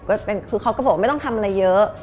ก็เป็นคือเขากับผมไม่ต้องทำอะไรเยอะ